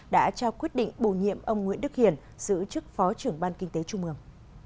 đã trao quyết định bổ nhiệm ông nguyễn đức hiển giữ chức phó trưởng ban kinh tế trung ương